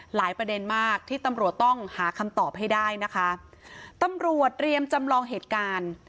ประเด็นมากที่ตำรวจต้องหาคำตอบให้ได้นะคะตำรวจเตรียมจำลองเหตุการณ์